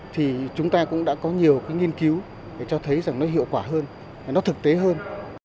thì chúng ta cũng đã có nhiều cái nghiên cứu để cho thấy rằng nó hiệu quả hơn nó thực tế hơn